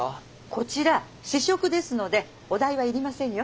こちら試食ですのでお代は要りませんよ。